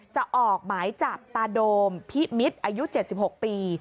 จะออกหมายจับตาโดมพิมิตรอายุ๗๖ปี